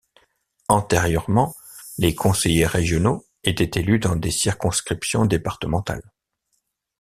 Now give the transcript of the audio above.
Antérieurement, les conseillers régionaux étaient élus dans des circonscriptions départementales.